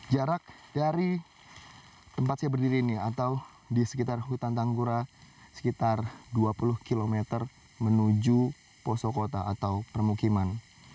jarak dari tempat saya berdiri ini atau di sekitar hutan tanggura sekitar dua puluh km menuju poso kota atau permukiman